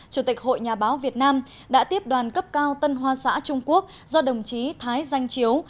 chủ tịch hội nhà báo việt nam đã tiếp đoàn cấp cao tân hoa xã trung quốc do đồng chí thái danh chiếu